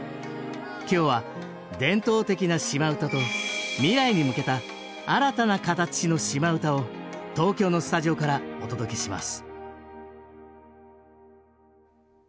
今日は伝統的なシマ唄と未来に向けた新たな形のシマ唄を東京のスタジオからお届けします